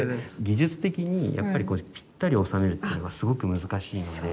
技術的にやっぱりぴったり収めるっていうのがすごく難しいので。